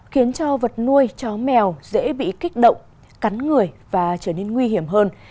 khiến cho vật nuôi chó mèo dễ bị kích động cắn người và trở nên nguy hiểm hơn